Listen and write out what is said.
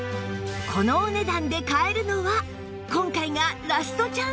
このお値段で買えるのは今回がラストチャンスかも！？